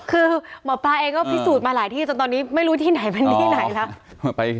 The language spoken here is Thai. คือหมอปลาเองก็พิสูจน์มาหลายที่จนตอนนี้ไม่รู้ที่ไหนเป็นที่ไหนแล้ว